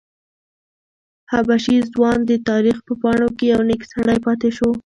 حبشي ځوان د تاریخ په پاڼو کې یو نېک سړی پاتې شو.